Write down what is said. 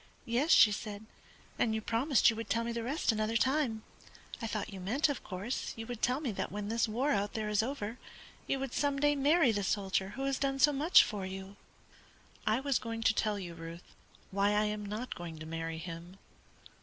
"Yes," she said, "and you promised you would tell me the rest another time. I thought you meant, of course, you would tell me that when this war out there is over, you would some day marry the soldier who has done so much for you." "I was going to tell you, Ruth, why I am not going to marry him."